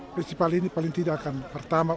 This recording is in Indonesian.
festival ini paling tidak akan pertama